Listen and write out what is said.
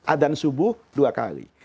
adhan subuh dua kali